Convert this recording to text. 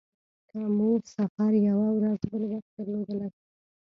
که مو سفر یوه ورځ بل وخت درلودلای.